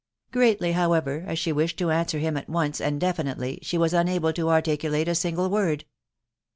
Greatly, however, as she wished to answer him at once and definitively, she was unable to articulate a single word.